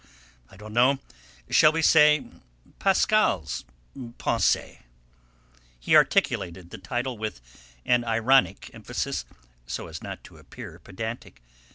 I don't know; shall we say Pascal's Pensées?" He articulated the title with an ironic emphasis so as not to appear pedantic.